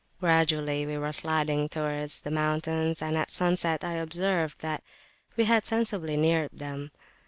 Gradually we were siding towards the mountains, and at sunset I observed that we had sensibly neared them.